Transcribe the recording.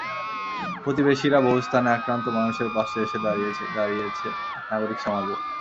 প্রতিবেশীরা বহু স্থানে আক্রান্ত মানুষের পাশে এসে দাঁড়িয়েছে, দাঁড়িয়েছে নাগরিক সমাজও।